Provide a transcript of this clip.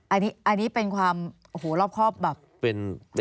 อันนี้เป็นความรอบครอบแบบ